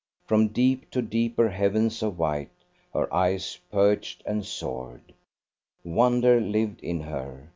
From deep to deeper heavens of white, her eyes perched and soared. Wonder lived in her.